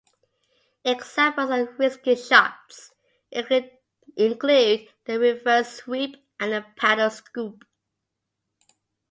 Examples of risky shots include the reverse sweep and the paddle-scoop.